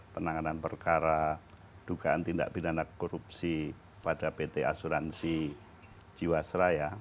penanganan perkara dugaan tindak pidana korupsi pada pt asuransi jiwasraya